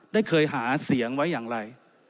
ได้เคยหาเสียงไว้อย่างไร